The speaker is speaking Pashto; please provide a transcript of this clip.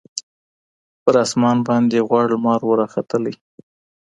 پر اسمان باندي غوړ لمر وو راختلی